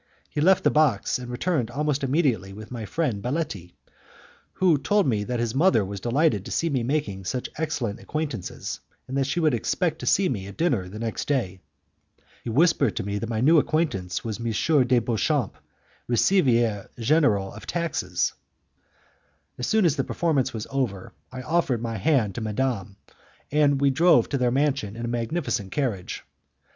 He left the box and returned almost immediately with my friend Baletti, who told me that his mother was delighted to see me making such excellent acquaintances, and that she would expect to see me at dinner the next day. He whispered to me that my new acquaintance was M. de Beauchamp, Receiver General of Taxes. As soon as the performance was over, I offered my hand to madame, and we drove to their mansion in a magnificent carriage.